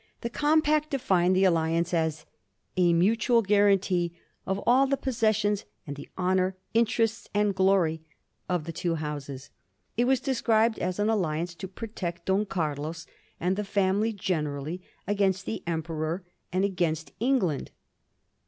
The compact defined the al liance as " a mutual guarantee of all the possessions and the honor, interests, and glory " of the two Houses. It was described as an alliance to protect Don Carlos, and the family generally, against the Emperor and against England.